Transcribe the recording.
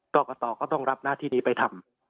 กรกตก็ต้องรับหน้าที่นี้ไปทำ